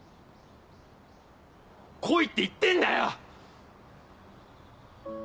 来いって言ってんだよ！